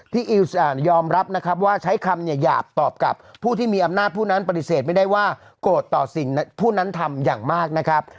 อิลสยอมรับนะครับว่าใช้คำเนี่ยหยาบตอบกับผู้ที่มีอำนาจผู้นั้นปฏิเสธไม่ได้ว่าโกรธต่อสิ่งผู้นั้นทำอย่างมากนะครับ